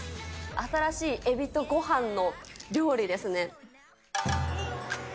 新しいえびとごはんの料理ですね。